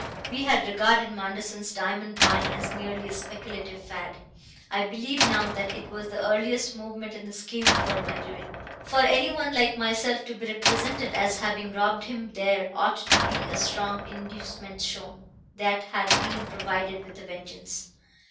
We had regarded Manderson's diamond buying as merely a speculative fad. I believe now that it was the earliest movement in the scheme for my ruin. For any one like myself to be represented as having robbed him there ought to be a strong inducement shown. That had been provided with a vengeance.